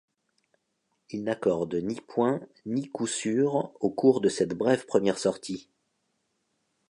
Il n'accorde ni point ni coup sûr au cours de cette brève première sortie.